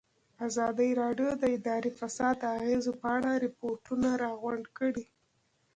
ازادي راډیو د اداري فساد د اغېزو په اړه ریپوټونه راغونډ کړي.